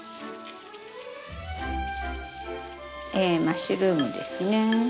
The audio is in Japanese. マッシュルームですね。